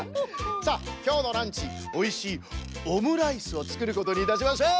さあきょうのランチおいしいオムライスをつくることにいたしましょう！